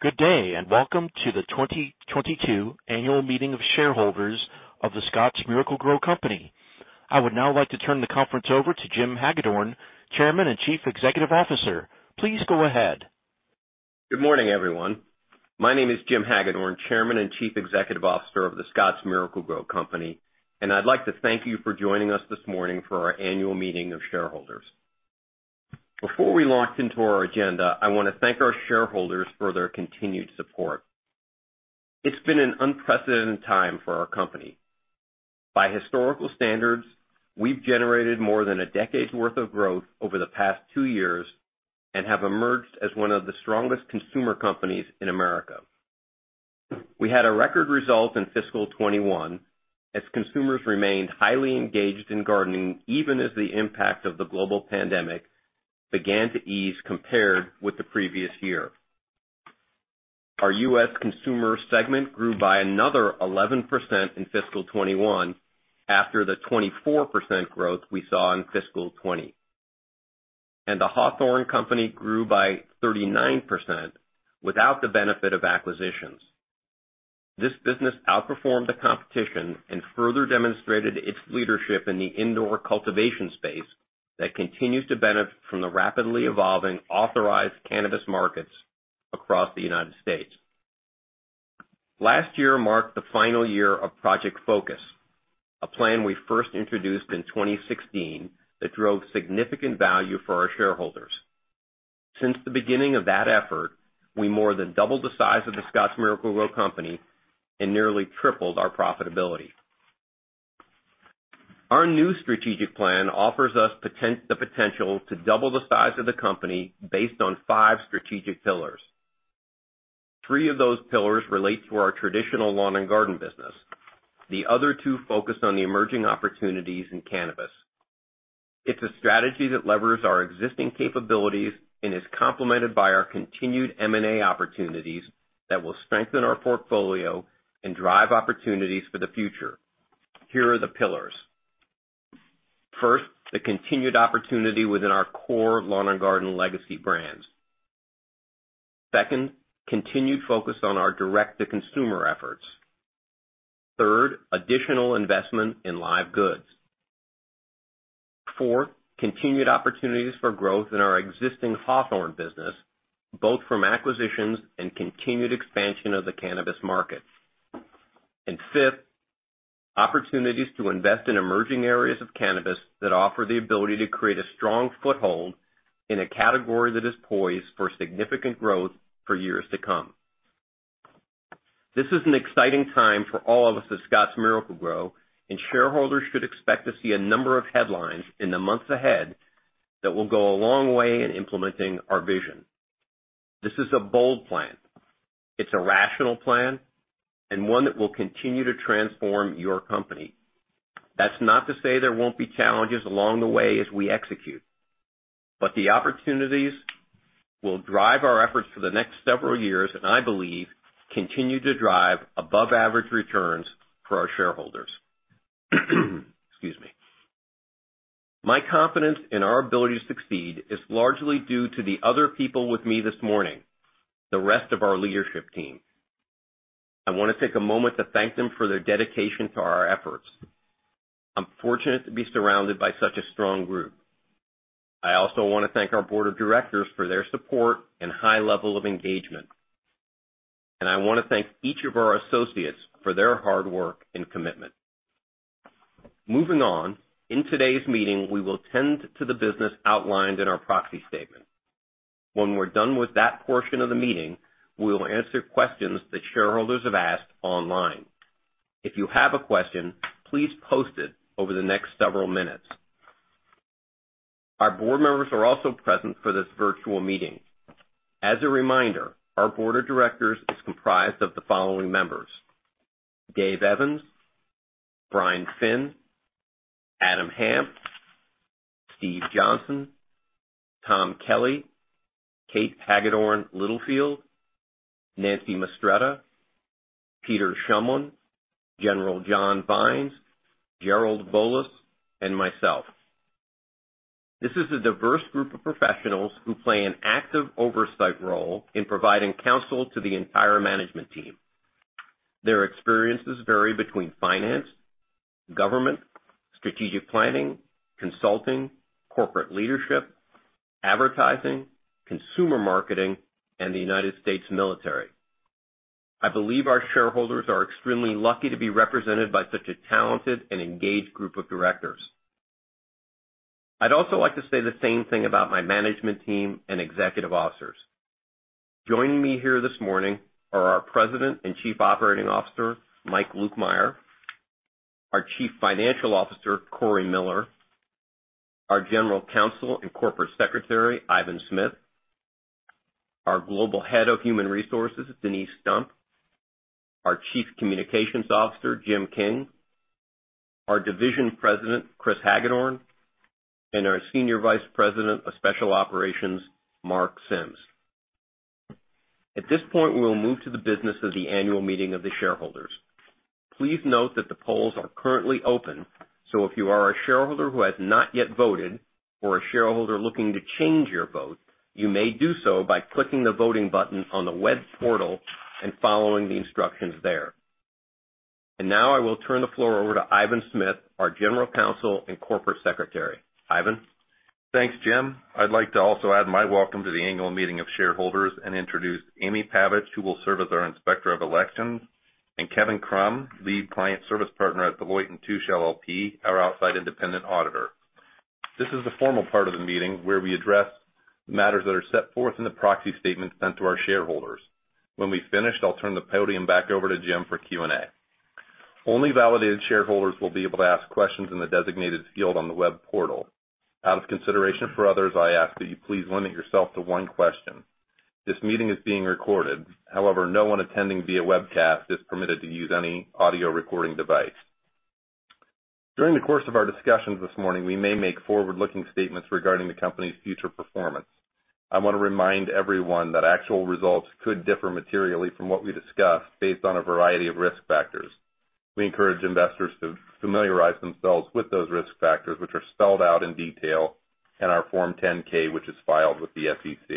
Good day, and welcome to the 2022 Annual Meeting of Shareholders of The Scotts Miracle-Gro Company. I would now like to turn the conference over to Jim Hagedorn, Chairman and Chief Executive Officer. Please go ahead. Good morning, everyone. My name is Jim Hagedorn, Chairman and Chief Executive Officer of The Scotts Miracle-Gro Company, and I'd like to thank you for joining us this morning for our annual meeting of shareholders. Before we launch into our agenda, I wanna thank our shareholders for their continued support. It's been an unprecedented time for our company. By historical standards, we've generated more than a decade's worth of growth over the past two years and have emerged as one of the strongest consumer companies in America. We had a record result in fiscal 2021 as consumers remained highly engaged in gardening, even as the impact of the global pandemic began to ease compared with the previous year. Our U.S. consumer segment grew by another 11% in fiscal 2021 after the 24% growth we saw in fiscal 2020. The Hawthorne Company grew by 39% without the benefit of acquisitions. This business outperformed the competition and further demonstrated its leadership in the indoor cultivation space that continues to benefit from the rapidly-evolving authorized cannabis markets across the United States. Last year marked the final year of Project Focus, a plan we first introduced in 2016 that drove significant value for our shareholders. Since the beginning of that effort, we more than doubled the size of The Scotts Miracle-Gro Company and nearly tripled our profitability. Our new strategic plan offers us the potential to double the size of the company based on five strategic pillars. Three of those pillars relate to our traditional lawn and garden business. The other two focus on the emerging opportunities in cannabis. It's a strategy that levers our existing capabilities and is complemented by our continued M&A opportunities that will strengthen our portfolio and drive opportunities for the future. Here are the pillars. First, the continued opportunity within our core lawn and garden legacy brands. Second, continued focus on our direct-to-consumer efforts. Third, additional investment in live goods. Fourth, continued opportunities for growth in our existing Hawthorne business, both from acquisitions and continued expansion of the cannabis market. Fifth, opportunities to invest in emerging areas of cannabis that offer the ability to create a strong foothold in a category that is poised for significant growth for years to come. This is an exciting time for all of us at Scotts Miracle-Gro, and shareholders should expect to see a number of headlines in the months ahead that will go a long way in implementing our vision. This is a bold plan. It's a rational plan, and one that will continue to transform your company. That's not to say there won't be challenges along the way as we execute, but the opportunities will drive our efforts for the next several years, and I believe continue to drive above-average returns for our shareholders. My confidence in our ability to succeed is largely due to the other people with me this morning, the rest of our leadership team. I wanna take a moment to thank them for their dedication to our efforts. I'm fortunate to be surrounded by such a strong group. I also wanna thank our board of directors for their support and high level of engagement. I wanna thank each of our associates for their hard work and commitment. Moving on, in today's meeting, we will tend to the business outlined in our proxy statement. When we're done with that portion of the meeting, we will answer questions that shareholders have asked online. If you have a question, please post it over the next several minutes. Our board members are also present for this virtual meeting. As a reminder, our board of directors is comprised of the following members. Dave Evans, Brian Finn, Adam Hanft, Steve Johnson, Tom Kelly, Kate Hagedorn Littlefield, Nancy Mistretta, Peter Shumlin, General John Vines, Gerald Volas, and myself. This is a diverse group of professionals who play an active oversight role in providing counsel to the entire management team. Their experiences vary between finance, government, strategic planning, consulting, corporate leadership, advertising, consumer marketing, and the United States military. I believe our shareholders are extremely lucky to be represented by such a talented and engaged group of directors. I'd also like to say the same thing about my management team and executive officers. Joining me here this morning are our President and Chief Operating Officer, Mike Lukemire, our Chief Financial Officer, Cory Miller, our General Counsel and Corporate Secretary, Ivan Smith, our Global Head of Human Resources, Denise Stump, our Chief Communications Officer, Jim King, our Division President, Chris Hagedorn, and our Senior Vice President of Special Operations, Mark Sims. At this point, we will move to the business of the annual meeting of the shareholders. Please note that the polls are currently open, so if you are a shareholder who has not yet voted or a shareholder looking to change your vote, you may do so by clicking the voting button on the web portal and following the instructions there. Now I will turn the floor over to Ivan Smith, our General Counsel and Corporate Secretary. Ivan? Thanks, Jim. I'd like to also add my welcome to the annual meeting of shareholders and introduce Amy Pavich, who will serve as our Inspector of Elections, and Kevin Krumm, Lead Client Service Partner at Deloitte & Touche LLP, our outside independent auditor. This is the formal part of the meeting where we address matters that are set forth in the proxy statement sent to our shareholders. When we finish, I'll turn the podium back over to Jim for Q&A. Only validated shareholders will be able to ask questions in the designated field on the web portal. Out of consideration for others, I ask that you please limit yourself to one question. This meeting is being recorded. However, no one attending via webcast is permitted to use any audio recording device. During the course of our discussions this morning, we may make forward-looking statements regarding the company's future performance. I want to remind everyone that actual results could differ materially from what we discuss based on a variety of risk factors. We encourage investors to familiarize themselves with those risk factors, which are spelled out in detail in our Form 10-K, which is filed with the SEC.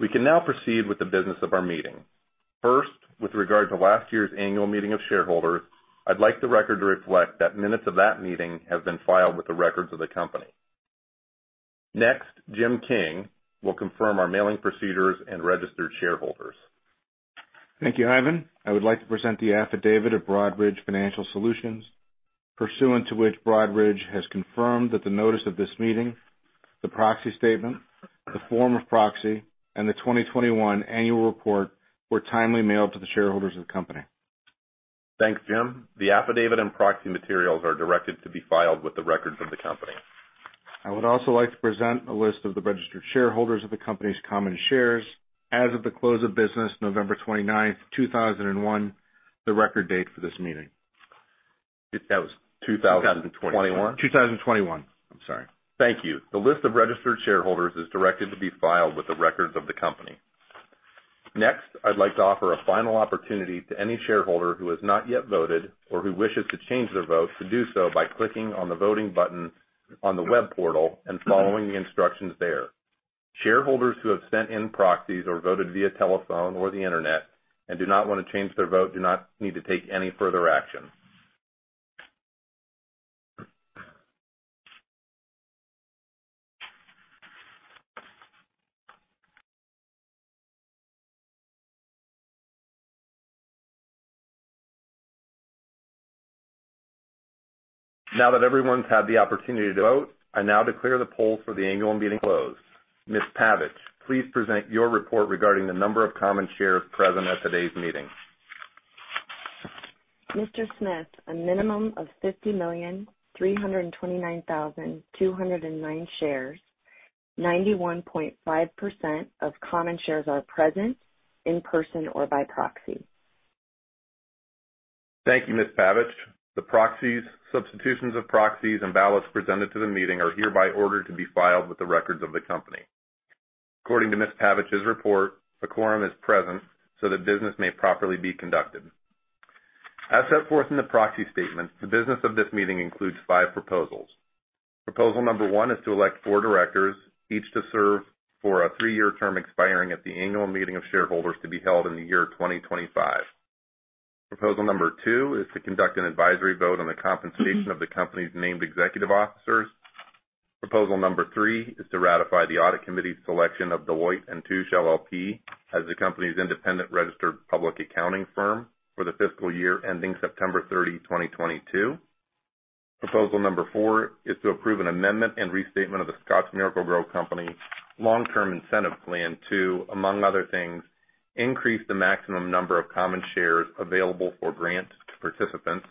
We can now proceed with the business of our meeting. First, with regard to last year's annual meeting of shareholders, I'd like the record to reflect that minutes of that meeting have been filed with the records of the company. Next, Jim King, will confirm our mailing procedures and registered shareholders. Thank you, Ivan. I would like to present the affidavit of Broadridge Financial Solutions, pursuant to which Broadridge has confirmed that the notice of this meeting, the proxy statement, the form of proxy, and the 2021 annual report were timely mailed to the shareholders of the company. Thanks, Jim. The affidavit and proxy materials are directed to be filed with the records of the company. I would also like to present a list of the registered shareholders of the company's common shares as of the close of business November 29, 2001, the record date for this meeting. That was 2021. 2021. I'm sorry. Thank you. The list of registered shareholders is directed to be filed with the records of the company. Next, I'd like to offer a final opportunity to any shareholder who has not yet voted or who wishes to change their vote to do so by clicking on the voting button on the web portal and following the instructions there. Shareholders who have sent in proxies or voted via telephone or the Internet and do not want to change their vote do not need to take any further action. Now that everyone's had the opportunity to vote, I now declare the polls for the annual meeting closed. Ms. Pavich, please present your report regarding the number of common shares present at today's meeting. Mr. Smith, a minimum of 50,329,209 shares, 91.5% of common shares are present, in-person, or by proxy. Thank you, Ms. Pavich. The proxies, substitutions of proxies, and ballots presented to the meeting are hereby ordered to be filed with the records of the company. According to Ms. Pavich's report, the quorum is present so that business may properly be conducted. As set forth in the proxy statement, the business of this meeting includes five proposals. Proposal number one is to elect four directors, each to serve for a three-year term expiring at the annual meeting of shareholders to be held in the year 2025. Proposal number two is to conduct an advisory vote on the compensation of the company's named executive officers. Proposal number three is to ratify the audit committee's selection of Deloitte & Touche LLP, as the company's independent registered public accounting firm for the fiscal year ending September 30, 2022. Proposal number four is to approve an amendment and restatement of The Scotts Miracle-Gro Company Long-Term Incentive Plan to, among other things, increase the maximum number of common shares available for grant to participants.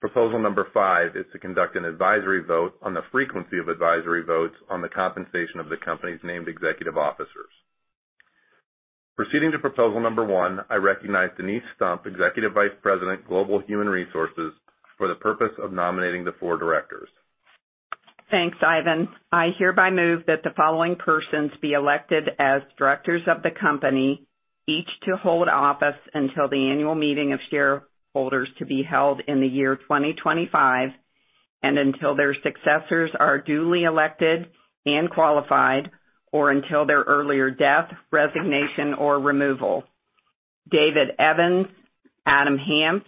Proposal number five is to conduct an advisory vote on the frequency of advisory votes on the compensation of the company's named executive officers. Proceeding to proposal number one, I recognize Denise Stump, Executive Vice President, Global Human Resources, for the purpose of nominating the four directors. Thanks, Ivan. I hereby move that the following persons be elected as directors of the company, each to hold office until the annual meeting of shareholders to be held in the year 2025 and until their successors are duly elected and qualified, or until their earlier death, resignation, or removal. David Evans, Adam Hanft,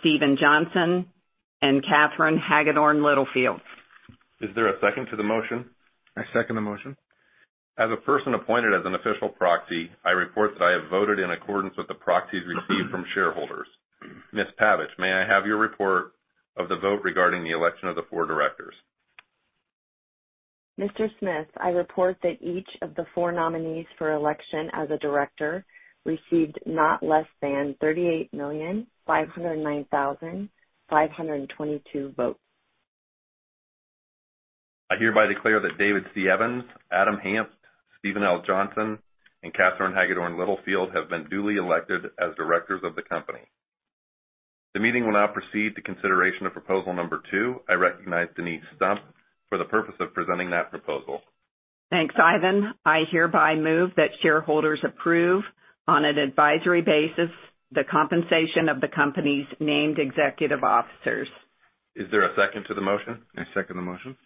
Stephen Johnson, and Katherine Hagedorn Littlefield. Is there a second to the motion? I second the motion. As a person appointed as an official proxy, I report that I have voted in accordance with the proxies received from shareholders. Ms. Pavich, may I have your report of the vote regarding the election of the four directors? Mr. Smith, I report that each of the four nominees for election as a director received not less than 38,509,522 votes. I hereby declare that David C. Evans, Adam Hanft, Stephen L. Johnson, and Katherine Hagedorn Littlefield have been duly elected as directors of the company. The meeting will now proceed to consideration of proposal number two. I recognize Denise Stump for the purpose of presenting that proposal. Thanks, Ivan. I hereby move that shareholders approve on an advisory basis the compensation of the company's named executive officers. Is there a second to the motion? I second the motion.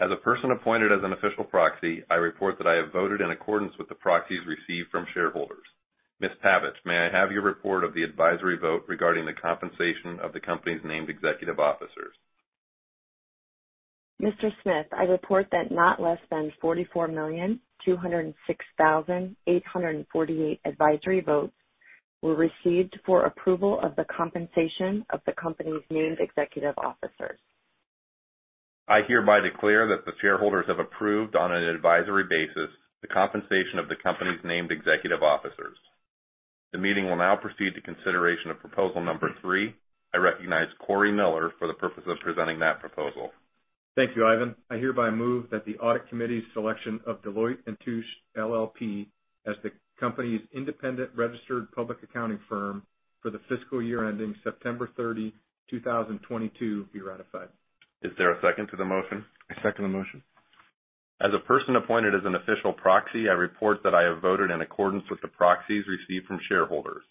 As a person appointed as an official proxy, I report that I have voted in accordance with the proxies received from shareholders. Ms. Pavich, may I have your report of the advisory vote regarding the compensation of the company's named executive officers? Mr. Smith, I report that not less than 44,206,848 advisory votes were received for approval of the compensation of the company's named executive officers. I hereby declare that the shareholders have approved on an advisory basis the compensation of the company's named executive officers. The meeting will now proceed to consideration of proposal number three. I recognize Cory Miller for the purpose of presenting that proposal. Thank you, Ivan. I hereby move that the Audit Committee's selection of Deloitte & Touche LLP as the company's independent registered public accounting firm for the fiscal year ending September 30, 2022 be ratified. Is there a second to the motion? I second the motion. As a person appointed as an official proxy, I report that I have voted in accordance with the proxies received from shareholders.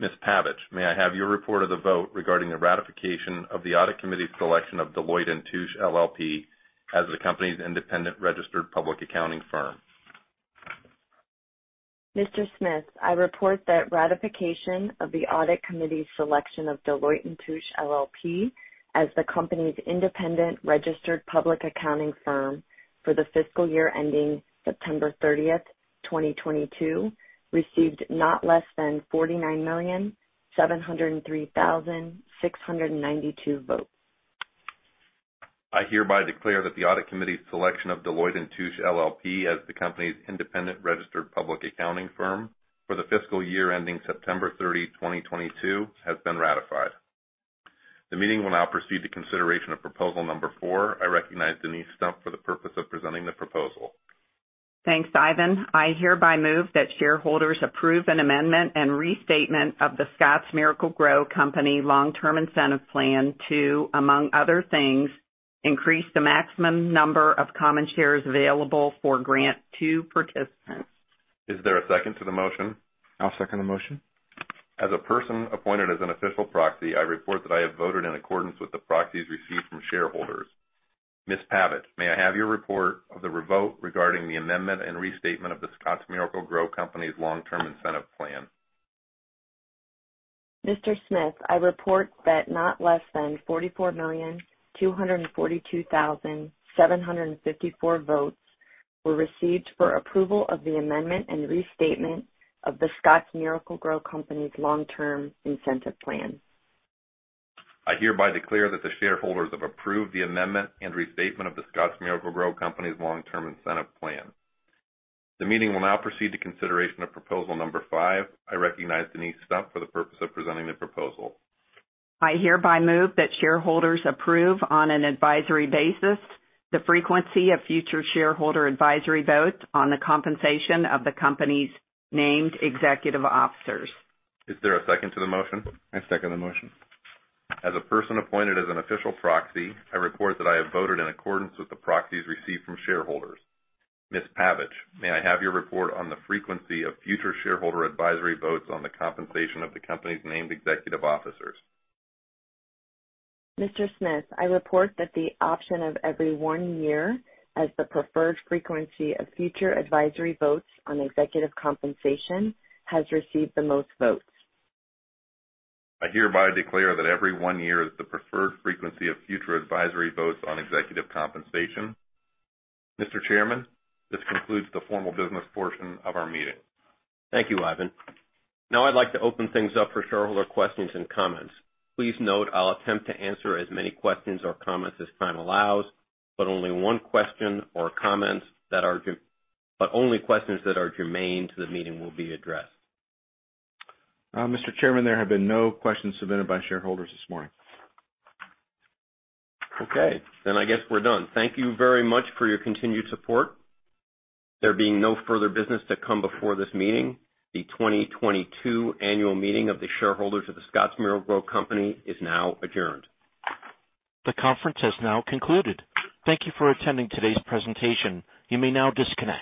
Ms. Pavich, may I have your report of the vote regarding the ratification of the audit committee's selection of Deloitte & Touche LLP as the company's independent registered public accounting firm? Mr. Smith, I report that ratification of the audit committee's selection of Deloitte & Touche LLP as the company's independent registered public accounting firm for the fiscal year ending September 30, 2022 received not less than 49,703,692 votes. I hereby declare that the Audit Committee's selection of Deloitte & Touche LLP as the company's independent registered public accounting firm for the fiscal year ending September 30, 2022, has been ratified. The meeting will now proceed to consideration of proposal number four I recognize Denise Stump for the purpose of presenting the proposal. Thanks, Ivan. I hereby move that shareholders approve an amendment and restatement of The Scotts Miracle-Gro Company Long-Term Incentive Plan to, among other things, increase the maximum number of common shares available for grant to participants. Is there a second to the motion? I'll second the motion. As a person appointed as an official proxy, I report that I have voted in accordance with the proxies received from shareholders. Ms. Pavich, may I have your report of the vote regarding the amendment and restatement of The Scotts Miracle-Gro Company's Long-Term Incentive Plan? Mr. Smith, I report that not less than 44,242,754 votes were received for approval of the amendment and restatement of The Scotts Miracle-Gro Company's Long-Term Incentive Plan. I hereby declare that the shareholders have approved the amendment and restatement of The Scotts Miracle-Gro Company's Long-Term Incentive Plan. The meeting will now proceed to consideration of proposal number five. I recognize Denise Stump for the purpose of presenting the proposal. I hereby move that shareholders approve on an advisory basis the frequency of future shareholder advisory votes on the compensation of the company's named executive officers. Is there a second to the motion? I second the motion. As a person appointed as an official proxy, I report that I have voted in accordance with the proxies received from shareholders. Ms. Pavich, may I have your report on the frequency of future shareholder advisory votes on the compensation of the company's named executive officers? Mr. Smith, I report that the option of every one year as the preferred frequency of future advisory votes on executive compensation has received the most votes. I hereby declare that every one year is the preferred frequency of future advisory votes on executive compensation. Mr. Chairman, this concludes the formal business portion of our meeting. Thank you, Ivan. Now I'd like to open things up for shareholder questions and comments. Please note I'll attempt to answer as many questions or comments as time allows, but only questions that are germane to the meeting will be addressed. Mr. Chairman, there have been no questions submitted by shareholders this morning. Okay. I guess we're done. Thank you very much for your continued support. There being no further business to come before this meeting, the 2022 annual meeting of the shareholders of The Scotts Miracle-Gro Company is now adjourned. The conference has now concluded. Thank you for attending today's presentation. You may now disconnect.